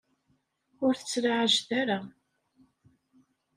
Ur t-ttlaɛajet ara.